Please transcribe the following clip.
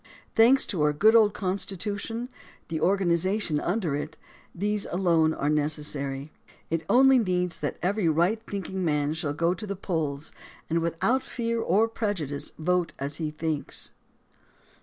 Thanks to om* good old Constitution, and the organization under it, these alone are THE DEMOCRACY OF ABRAHAM LINCOLN 147 necessary. It only needs that every right thinking man shall go to the polls, and without fear or prejudice vote as he thinks.